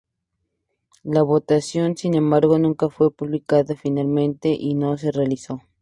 La votación, sin embargo, nunca fue publicada finalmente y no se realizó.